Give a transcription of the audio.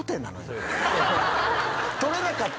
取れなかって。